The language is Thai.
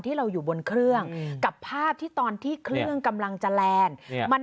ที่เราอยู่บนเครื่องกับภาพที่ตอนที่เครื่องกำลังจะแลนด์